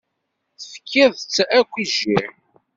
Tefkiḍ-tt akk i jjiḥ.